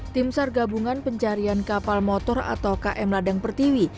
tim sar gabungan pencarian kapal motor atau km ladang pertiwi